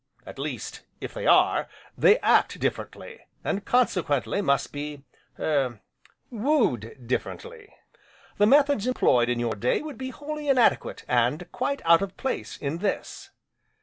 At least, if they are, they act differently, and consequently must be er wooed differently. The methods employed in your day would be wholly inadequate and quite out of place, in this.